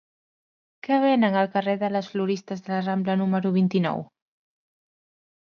Què venen al carrer de les Floristes de la Rambla número vint-i-nou?